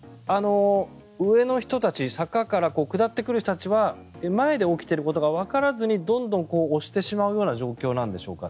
上の人たち坂から下ってくる人たちは前で起きていることがわからずにどんどん押してしまうような状況なんでしょうか。